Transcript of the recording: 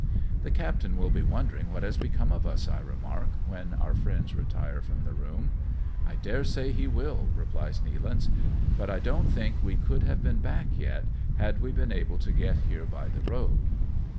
" The captain will be wondering what has come to us," I remark, when our friends retire from the room. " I daresay he will," replies Nealance, " but I don't think we could have been back yet, had we been able to get here by the road."